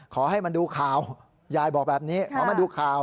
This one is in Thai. ขอให้มันดูข่าวยายบอกแบบนี้ขอมาดูข่าว